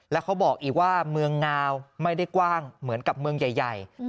แล้วเขาบอกอีกว่าเมืองงาวไม่ได้กว้างเหมือนกับเมืองใหญ่